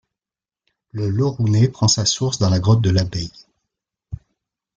Le Laurounet prend sa source dans la grotte de Labeil.